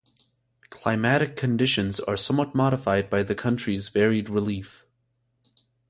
Climatic conditions are somewhat modified by the country's varied relief.